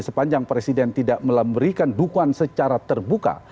sepanjang presiden tidak memberikan dukungan secara terbuka